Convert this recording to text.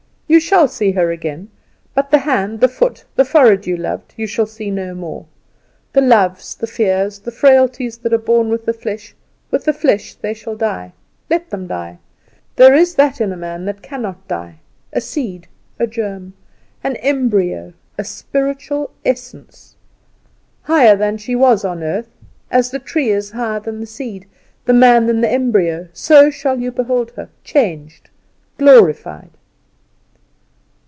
You shall see her again. But the hand, the foot, the forehead you loved, you shall see no more. The loves, the fears, the frailties that are born with the flesh, with the flesh they shall die. Let them die! There is that in man that cannot die a seed, a germ an embryo, a spiritual essence. Higher than she was on earth, as the tree is higher than the seed, the man than the embryo, so shall you behold her; changed, glorified!"